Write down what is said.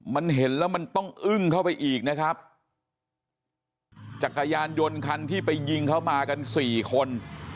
มันเห็นแล้วมันต้องอึ้งเข้าไปอีกนะครับจักรยานยนต์คันที่ไปยิงเขามากันสี่คน